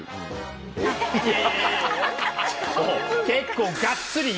結構。